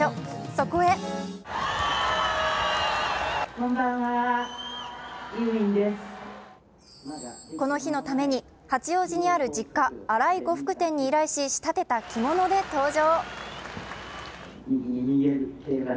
そこへこの日のために八王子にある実家、荒井呉服店に依頼し仕立てた着物で登場。